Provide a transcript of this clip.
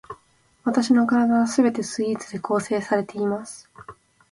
わたしの身体は全てスイーツで構成されています